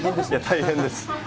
大変です。